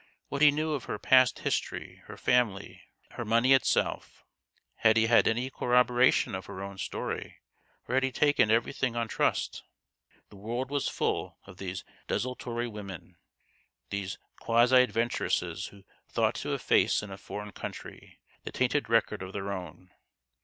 what he knew of her past history, her family, her money itself ? Had he had any corrobora tion of her own story, or had he taken every thing on trust ? The world was full of these desultory women, these quasi adventuresses who thought to efface in a foreign country the tainted record of their own.